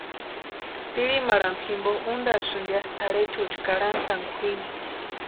Tirimarhantu jimpo úntasïnti ya tʼarhechuecha karhantani kwʼini.